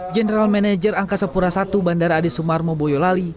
general manager angkasa pura i bandara adi sumarmo boyolali